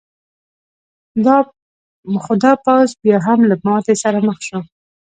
خو دا پوځ بیا هم له ماتې سره مخ شو.